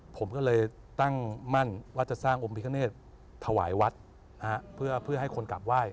ผมก็เลยตั้งมั่นว่าจะสร้างองค์พิคเนตถวายวัดเพื่อให้คนกลับไหว้